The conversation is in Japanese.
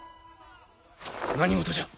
・何事じゃ！